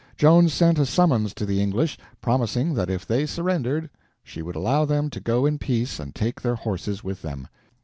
Joan sent a summons to the English, promising that if they surrendered she would allow them to go in peace and take their horses with them.